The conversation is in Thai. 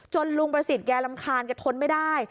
ลุงประสิทธิ์แกรำคาญแกทนไม่ได้